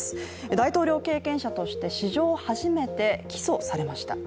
大統領経験者として史上初めて起訴されました